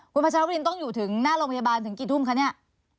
คุณพัชรวรินต้องอยู่ถึงหน้าโรงพยาบาลถึงกี่ทุ่มคะเนี่ย